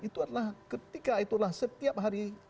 itu adalah ketika itulah setiap hari